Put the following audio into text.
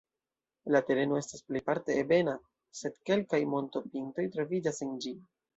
La tereno estas plejparte ebena, sed kelkaj montopintoj troviĝas en ĝi.